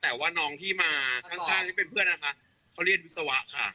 แต่ว่าน้องที่มาข้างที่เป็นเพื่อนนะคะเขาเรียนวิศวะค่ะ